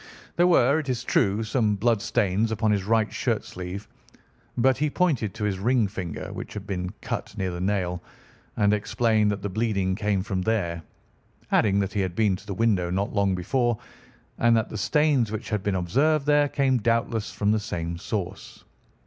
There were, it is true, some blood stains upon his right shirt sleeve, but he pointed to his ring finger, which had been cut near the nail, and explained that the bleeding came from there, adding that he had been to the window not long before, and that the stains which had been observed there came doubtless from the same source.